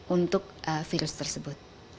untuk virus tersebut